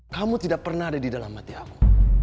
kamu tidak pernah ada di dalam hati aku